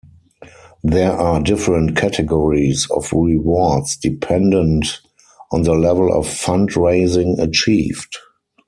There are different categories of rewards, dependent on the level of fundraising achieved.